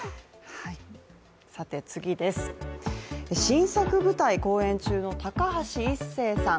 新作舞台公演中の高橋一生さん